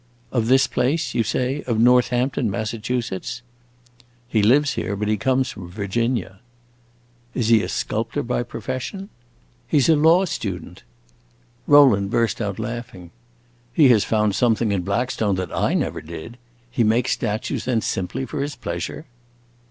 "Of this place, you say of Northampton, Massachusetts?" "He lives here, but he comes from Virginia." "Is he a sculptor by profession?" "He 's a law student." Rowland burst out laughing. "He has found something in Blackstone that I never did. He makes statues then simply for his pleasure?"